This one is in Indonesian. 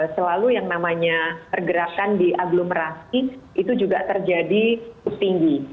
selalu yang namanya pergerakan di aglomerasi itu juga terjadi tinggi